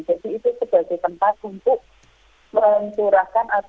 jadi itu sebagai tempat untuk mencurahkan atau berhati untuk ibu ibu yang tadi